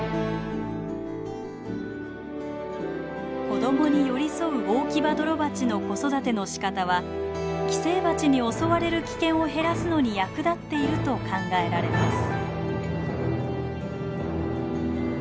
子供に寄り添うオオキバドロバチの子育てのしかたは寄生バチに襲われる危険を減らすのに役立っていると考えられます。